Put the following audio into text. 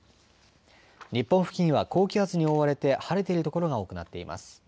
日本付近は高気圧に覆われて晴れている所が多くなっています。